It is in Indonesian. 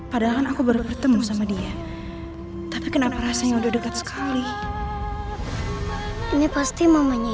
padahal aku baru bertemu sama dia tapi kenapa rasanya udah dekat sekali ini pasti mamanya